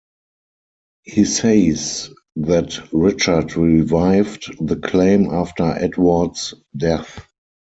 He says that Richard revived the claim after Edward's death.